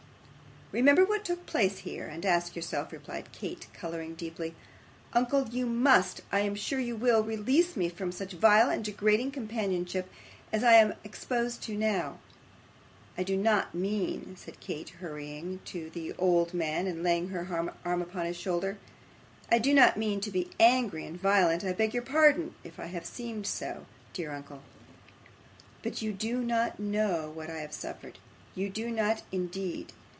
'Remember what took place here, and ask yourself,' replied Kate, colouring deeply. 'Uncle, you must I am sure you will release me from such vile and degrading companionship as I am exposed to now. I do not mean,' said Kate, hurrying to the old man, and laying her arm upon his shoulder; 'I do not mean to be angry and violent I beg your pardon if I have seemed so, dear uncle, but you do not know what I have suffered, you do not indeed.